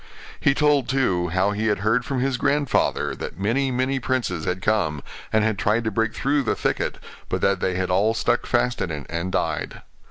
He told, too, how he had heard from his grandfather that many, many princes had come, and had tried to break through the thicket, but that they had all stuck fast in it, and died.